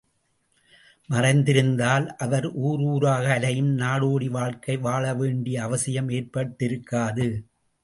மதித்திருந்தால் அவர் ஊர் ஊராக அலையும் நாடோடி வாழ்க்கை வாழ வேண்டிய அவசியம் ஏற்பட்டிருக்காது.